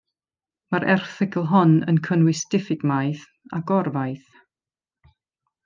Mae'r erthygl hon yn cynnwys diffyg maeth a gor faeth.